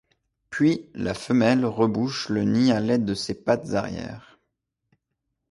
Puis, la femelle rebouche le nid à l'aide de ses pattes arrière.